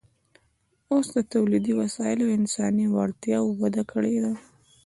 اوس د تولیدي وسایلو او انساني وړتیاوو وده کړې ده